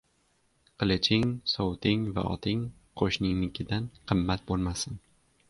Qiliching, sovuting va oting qoʻshningnikidan qimmat boʻlmasin.